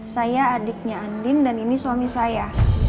saya adiknya andin dan ini suami saya